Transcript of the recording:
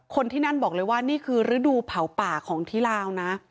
คนที่นั่นบอกเลยว่านี่คือฤดูเผาป่าของที่ลาวนะ